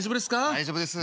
大丈夫です。